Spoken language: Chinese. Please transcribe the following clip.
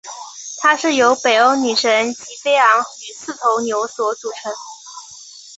它是由北欧女神吉菲昂与四头牛所组成。